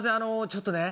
ちょっとね